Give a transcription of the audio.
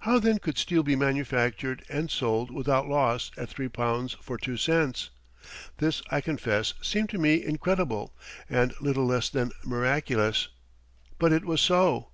How then could steel be manufactured and sold without loss at three pounds for two cents? This, I confess, seemed to me incredible, and little less than miraculous, but it was so.